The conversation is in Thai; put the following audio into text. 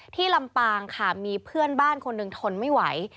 ลำปางค่ะมีเพื่อนบ้านคนหนึ่งทนไม่ไหว